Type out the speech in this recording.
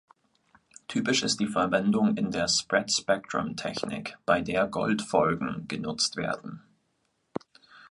Typisch ist die Verwendung in der Spread-Spectrum-Technik, bei der Gold-Folgen genutzt werden.